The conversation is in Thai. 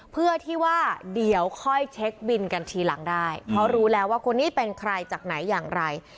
เพื่อที่ว่าเดี๋ยวค่อยเช็คบินกันทีหลังได้เพราะรู้แล้วว่าคนนี้เป็นใครจากไหนอย่างไร